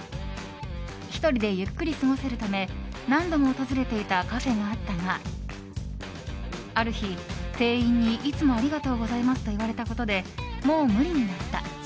１人でゆっくり過ごせるため何度も訪れていたカフェがあったがある日、店員にいつもありがとうございます！と言われたことでもう無理になった！